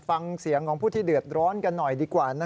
ฟังเสียงของผู้ที่เดือดร้อนกันหน่อยดีกว่า